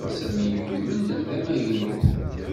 Sami yuman d amagnu